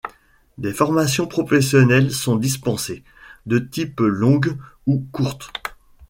Des formations professionnelles sont dispensées, de type longue ou courte.